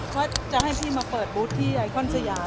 ถ้าจะให้พี่มาเปิดบูธที่ไอคอนสยา